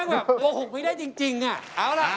ฟงเหมือนพี่ไหมที่แบบว่า